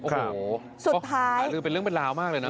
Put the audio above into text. หารืมเป็นเรื่องเป็นราวมากเลยนะ